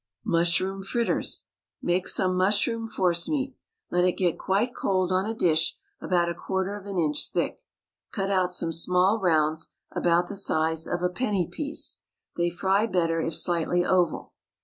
MUSHROOM FRITTERS. Make some mushroom forcemeat; let it get quite cold on a dish about a quarter of an inch thick. Cut out some small rounds, about the size of a penny piece. They fry better if slightly oval.